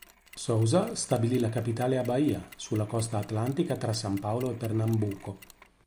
Sousa stabilì la capitale a Bahia, sulla costa atlantica tra San Paolo e Pernambuco.